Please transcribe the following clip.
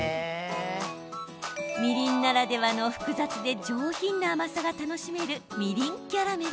みりんならではの複雑で上品な甘さが楽しめるみりんキャラメル。